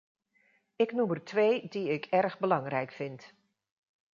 Ik noem er twee die ik erg belangrijk vind.